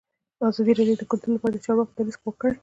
ازادي راډیو د کلتور لپاره د چارواکو دریځ خپور کړی.